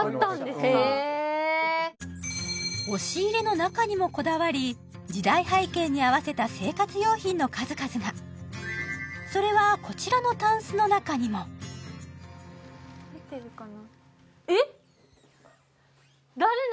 うん押し入れの中にもこだわり時代背景に合わせた生活用品の数々がそれはこちらのタンスの中にも入ってるかなえっ？